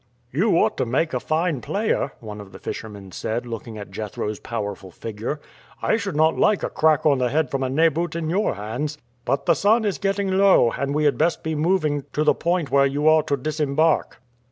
"You ought to make a fine player," one of the fishermen said, looking at Jethro's powerful figure. "I should not like a crack on the head from a neboot in your hands. But the sun is getting low, and we had best be moving to the point where you are to disembark."